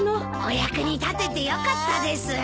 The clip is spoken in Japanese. お役に立ててよかったです。